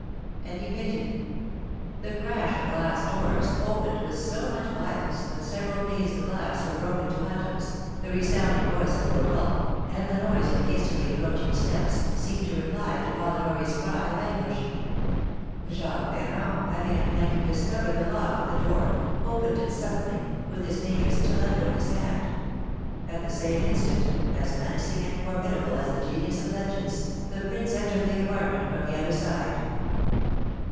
And he fainted. The crash of glass doors, opened with so much violence that several panes of glass were broken to atoms, the resounding voice of Rodolph, and the noise of hastily approaching steps, seemed to reply to Polidori's cry of anguish. Jacques Ferrand having at length discovered the lock of the door, opened it suddenly, with his dangerous stiletto in his hand. At the same instant, as menacing and formidable as the genius of vengeance, the prince entered the apartment from the other side.